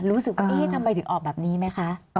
รู้สึกว่าเอ๊ะทำไมถึงออกแบบนี้ไหมคะ